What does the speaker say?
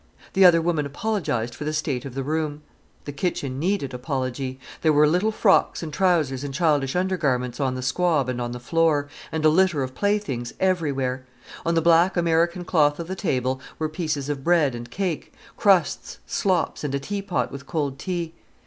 The other woman apologized for the state of the room. The kitchen needed apology. There were little frocks and trousers and childish undergarments on the squab and on the floor, and a litter of playthings everywhere. On the black American cloth of the table were pieces of bread and cake, crusts, slops, and a teapot with cold tea.